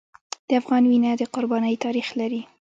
د افغان وینه د قربانۍ تاریخ لري.